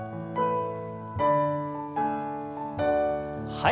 はい。